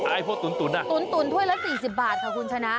ไอ้พวกตุ๋นอ่ะตุ๋นถ้วยละ๔๐บาทค่ะคุณชนะ